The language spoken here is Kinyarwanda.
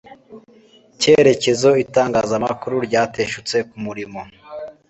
kerekezo itangazamakuru ryateshutse ku murimo